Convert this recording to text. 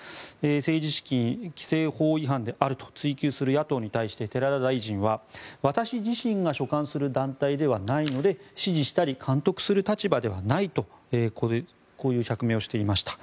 政治資金規正法違反であると追及する野党に対して寺田大臣は、私自身が所管する団体ではないので指示したり監督する立場ではないとこういう釈明をしていました。